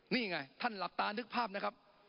นี่ไงท่านหลับตานึกภาพนะครับ